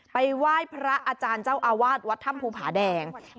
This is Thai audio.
ไปไหว้พระอาจารย์เจ้าอาวาสวัดถ้ำภูผาแดง